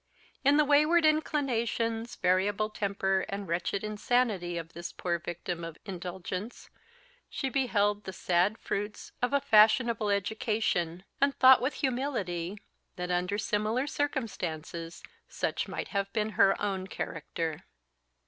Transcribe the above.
In the wayward inclinations, variable temper, and wretched inanity of this poor victim of indulgence, she beheld the sad fruits of a fashionable education; and thought with humility that, under similar circumstances, such might have been her own character.